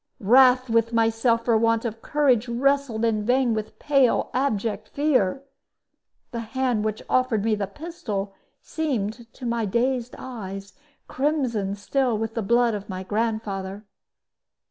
Wrath with myself for want of courage wrestled in vain with pale, abject fear. The hand which offered me the pistol seemed to my dazed eyes crimson still with the blood of my grandfather.